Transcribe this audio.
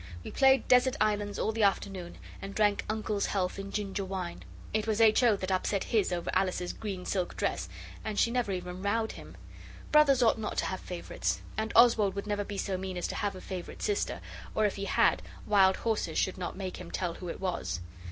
We played desert islands all the afternoon and drank Uncle's health in ginger wine. It was H. O. that upset his over Alice's green silk dress, and she never even rowed him. Brothers ought not to have favourites, and Oswald would never be so mean as to have a favourite sister, or, if he had, wild horses should not make him tell who it was.